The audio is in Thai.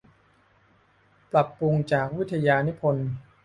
ปรับปรุงจากวิทยานิพนธ์